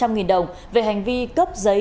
năm trăm linh nghìn đồng về hành vi cấp giấy